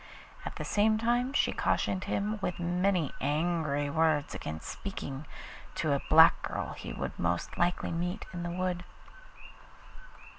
At the same time she cautioned him with many angry words against speaking to a black girl he would most likely meet in the wood.